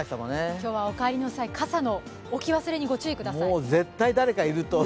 今日はお帰りの際傘の置き忘れにご注意ください。